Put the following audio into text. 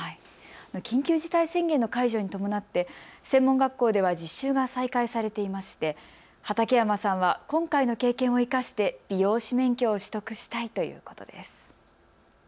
緊急事態宣言の解除に伴って専門学校では実習が再開されていまして畠山さんは今回の経験を生かして美容師免許を取得したいということです。